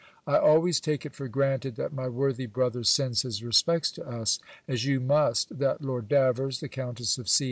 I always take it for granted, that my worthy brother sends his respects to us; as you must, that Lord Davers, the Countess of C.